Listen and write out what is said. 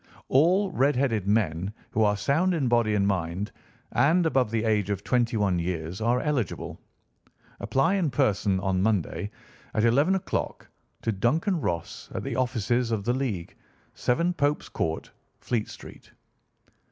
All red headed men who are sound in body and mind and above the age of twenty one years, are eligible. Apply in person on Monday, at eleven o'clock, to Duncan Ross, at the offices of the League, 7 Pope's Court, Fleet Street."